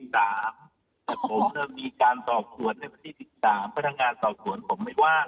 แต่ผมมีการสอบสวนในวันที่๑๓พนักงานสอบสวนผมไม่ว่า